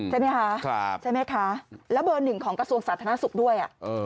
ใช่ไหมคะใช่ไหมคะแล้วเบอร์หนึ่งของกระทรวงสาธารณสุขด้วย